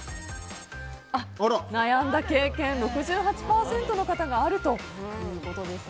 悩んだ経験、６８％の方があるということです。